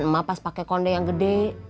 emang pas pake konde yang gede